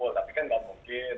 ya kami sudah siap siap